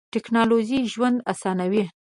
ټیکنالوژی ژوند اسانوی.